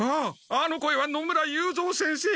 あの声は野村雄三先生！